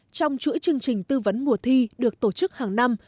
trong chuỗi chương trình tư vấn mùa thi được tổ chức hàng năm